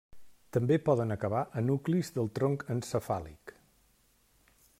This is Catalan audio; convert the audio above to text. També poden acabar a nuclis del tronc encefàlic.